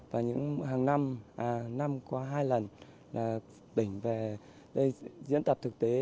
và những hàng năm năm có hai lần là tỉnh về diễn tập thực tế